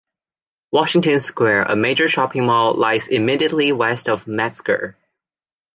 Washington Square, a major shopping mall, lies immediately west of Metzger.